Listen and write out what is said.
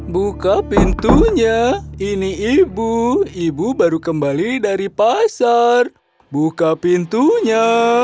buka pintunya ini ibu ibu baru kembali dari pasar buka pintunya